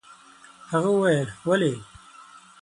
هغه وويل: ولې؟